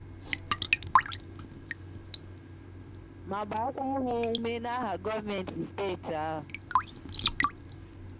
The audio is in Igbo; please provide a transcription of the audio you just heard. ma gbàkwa ha ume n'aha gọọmenti steeti ahụ.